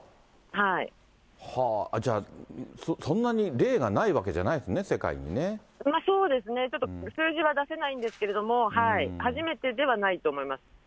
じゃあ、そんなに例がないわそうですね、ちょっと数字は出せないんですけれども、初めてではないと思います。